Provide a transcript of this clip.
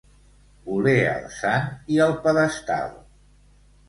Voler el sant i el pedestal.